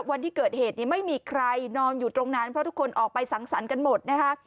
วันที่เกิดเหตุนี้ไม่มีใครนอนอยู่ตรงนั้นเพราะทุกคนออกไปสังสรรค์กันหมดนะคะ